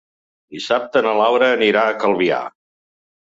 Dissabte na Laura anirà a Calvià.